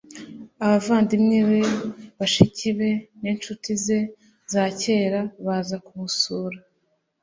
abavandimwe be, bashiki be n'incuti ze za kera, baza kumusura